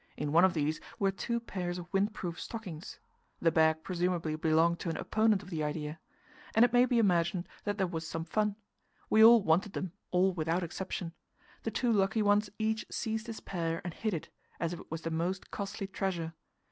In one of these were two pairs of windproof stockings the bag presumably belonged to an opponent of the idea and it may be imagined that there was some fun. We all wanted them all, without exception. The two lucky ones each seized his pair and hid it, as if it was the most costly treasure.